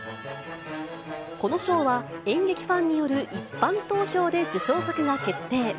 この賞は、演劇ファンによる一般投票で受賞作が決定。